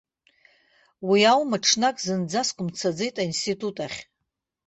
Уи аума ҽнак зынӡаск умцаӡеит аинститут ахь.